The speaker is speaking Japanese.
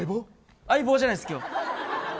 「相棒」じゃないです、今日。